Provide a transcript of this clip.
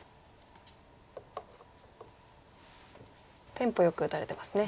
テンポよく打たれてますね。